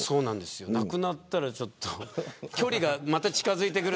なくなったらまた距離が近づいてくる。